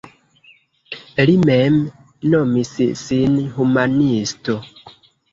Li mem nomis sin humanisto.